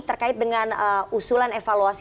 terkait dengan usulan evaluasi